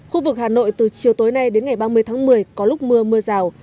khu vực hà nội từ chiều tối nay đến ngày ba mươi tháng một mươi có lúc mưa mưa rào